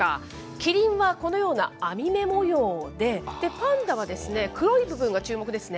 キリンはこのような網目模様で、パンダはですね、黒い部分が注目ですね。